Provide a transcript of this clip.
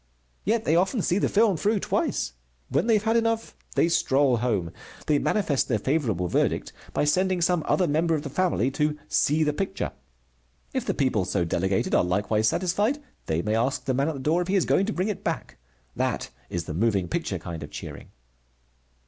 Yet they often see the film through twice. When they have had enough, they stroll home. They manifest their favorable verdict by sending some other member of the family to "see the picture." If the people so delegated are likewise satisfied, they may ask the man at the door if he is going to bring it back. That is the moving picture kind of cheering.